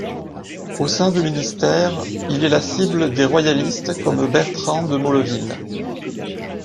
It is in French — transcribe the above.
Au sein du ministère, il est la cible des royalistes comme Bertrand de Molleville.